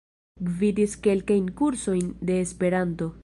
Gvidis kelkajn kursojn de Esperanto.